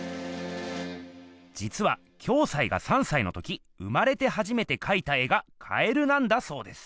じつは暁斎が３さいのとき生まれてはじめてかいた絵が蛙なんだそうです。